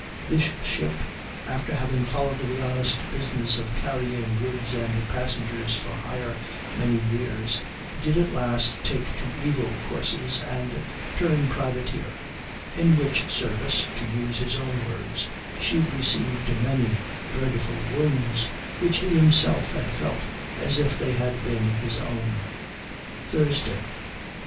This ship, after having followed the honest business of carrying goods and passengers for hire many years, did at last take to evil courses and turn privateer, in which service, to use his own words, she received many dreadful wounds, which he himself had felt as if they had been his own. Thursday.